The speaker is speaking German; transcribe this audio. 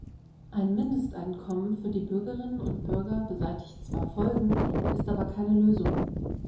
Ein Mindesteinkommen für die Bürgerinnen und Bürger beseitigt zwar Folgen, ist aber keine Lösung.